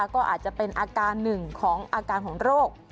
ก็อาจจะเป็นอาการหนึ่งของอาการของโรค